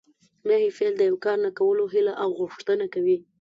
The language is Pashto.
نهي فعل د یو کار نه کولو هیله او غوښتنه کوي.